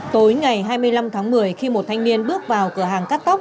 tối ngày hai mươi năm tháng một mươi khi một thanh niên bước vào cửa hàng cắt tóc